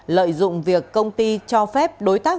lợi dụng việc công ty cho phép đối tác